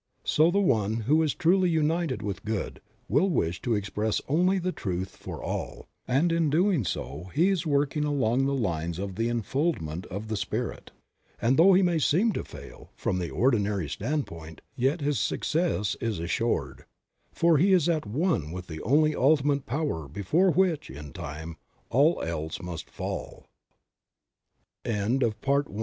So the one who is truly united with Good will wish to express only the truth for all ; and in doing so he is work ing along the lines of the unfoldment of the Spirit, and though he may seem to fail, from the ordinary standpoint, yet his success is assured; for he is at one with the only ultimate power before